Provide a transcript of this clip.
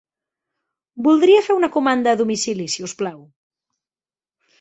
Voldria fer una comanda a domicili si us plau.